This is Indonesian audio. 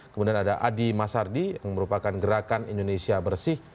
kemudian ada adi masardi yang merupakan gerakan indonesia bersih